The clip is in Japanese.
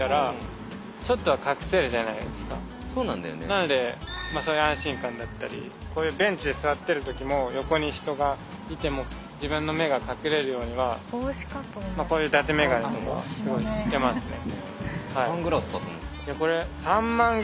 なのでそういう安心感だったりこういうベンチで座ってる時も横に人がいても自分の目が隠れるようにはこういうだてメガネとかすごいしてますね。